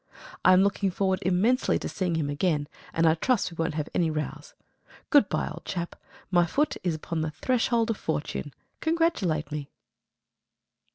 I am looking forward immensely to seeing him again, and I trust we won't have any rows. Goodbye, old chap. My foot is upon the threshold of fortune. Congratulate me.